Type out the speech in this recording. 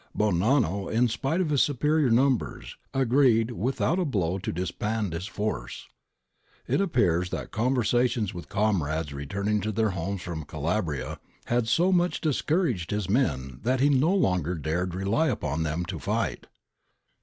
Bonanno, in spite of his superior numbers, agreed without a blow to disband his force. It appears that conversations with comrades returning to their homes from Calabria had so much discouraged his men that he no longer dared rely upon them to fight.